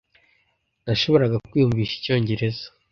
Nashoboraga kwiyumvisha icyongereza.